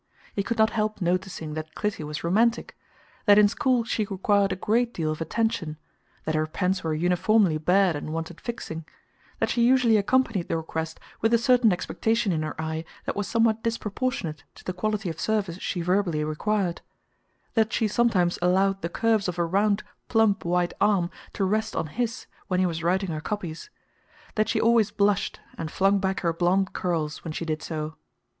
He could not help noticing that Clytie was romantic; that in school she required a great deal of attention; that her pens were uniformly bad and wanted fixing; that she usually accompanied the request with a certain expectation in her eye that was somewhat disproportionate to the quality of service she verbally required; that she sometimes allowed the curves of a round, plump white arm to rest on his when he was writing her copies; that she always blushed and flung back her blond curls when she did so.